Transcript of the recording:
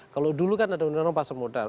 kalau dulu kan ada undang undang pasar modal